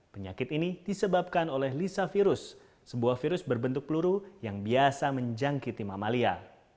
penyakit ini disebabkan oleh lisa virus sebuah virus berbentuk peluru yang biasa menjangkiti mamalia